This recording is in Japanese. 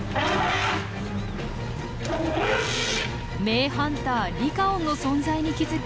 名ハンターリカオンの存在に気付き